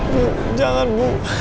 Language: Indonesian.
bu jangan bu